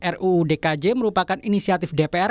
ruu dkj merupakan inisiatif dpr